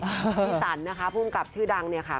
พี่สันนะคะภูมิกับชื่อดังเนี่ยค่ะ